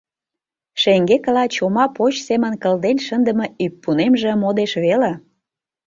Шеҥгекыла чома поч семын кылден шындыме ӱппунемже модеш веле.